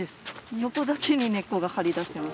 横だけに根っこが張り出してます。